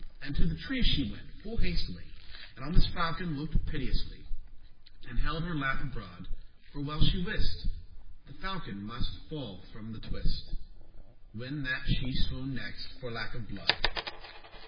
*pity And to the tree she went, full hastily, And on this falcon looked piteously; And held her lap abroad; for well she wist The falcon muste falle from the twist* *twig, bough When that she swooned next, for lack of blood.